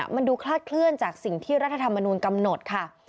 มันดูคลาดเคลื่อนจากสิ่งที่รัฐธรรมนูลกำหนดค่ะ